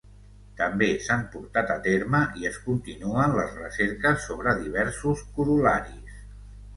També s'han portat a terme i es continuen les recerques sobre diversos corol·laris.